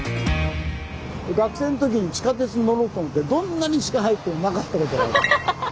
学生の時に地下鉄に乗ろうと思ってどんなに地下入ってもなかったことがある。